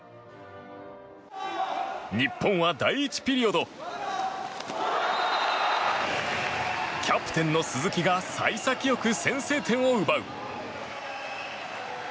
日本は第１ピリオドキャプテンの鈴木が幸先良く先制点を奪う。